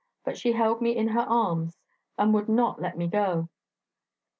But she held me in her arms, and would not let me go.